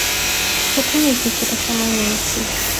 প্রথমে কিছুটা সময় নিয়েছি।